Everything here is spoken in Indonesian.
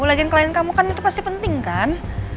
ulagen klien kamu kan itu pasti penting kan